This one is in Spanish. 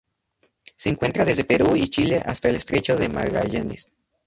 Se encuentra desde Perú y Chile hasta el estrecho de Magallanes.